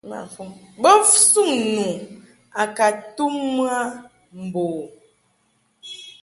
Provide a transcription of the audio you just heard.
Bo suŋ nu a ka tum mɨ a mbo u.